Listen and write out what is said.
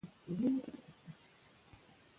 هغې وویل ورزش د زړه او معافیت سیستم لپاره ګټور دی.